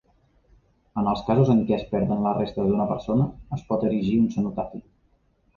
En els casos en què es perden les restes d'una persona, es pot erigir un cenotafi.